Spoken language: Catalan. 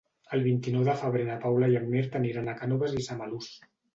El vint-i-nou de febrer na Paula i en Mirt aniran a Cànoves i Samalús.